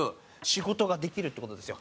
仕事ができるって事ですよ。